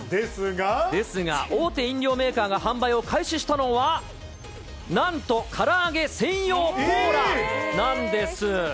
ですが、大手飲料メーカーが販売を開始したのは、なんとから揚げ専用コーラなんです。